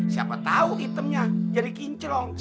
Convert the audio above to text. siapa tau itemnya jadi kinclong